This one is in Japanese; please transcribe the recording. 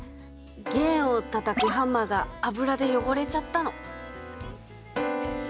弦をたたくハンマーが油でよごれちゃったの。